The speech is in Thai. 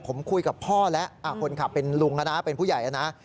ผมคุยกับพ่อแล้วคนขับเป็นลุงนะเป็นผู้ใหญ่นะ